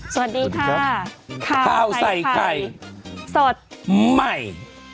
สวัสดีค่ะข้าวใส่ไข่สดใหม่